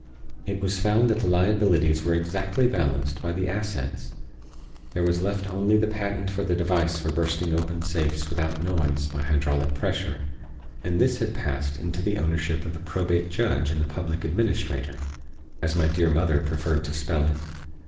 It was found that the liabilities were exactly balanced by the assets; there was left only the patent for the device for bursting open safes without noise, by hydraulic pressure and this had passed into the ownership of the Probate Judge and the Public Administrator—as my dear mother preferred to spell it.